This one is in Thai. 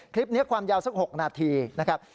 คลิปนี้ความยาวสัก๖นาทีนะครับ